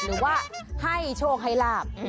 หรือว่าให้โชคให้ลาบ